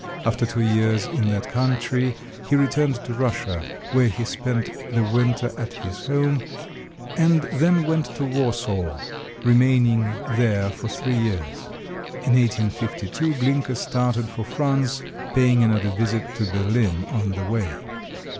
After two years in that country he returned to Russia, where he spent the winter at his home, and then went to Warsaw, remaining there for three years. In 1852 Glinka started for France, paying another visit to Berlin on the way.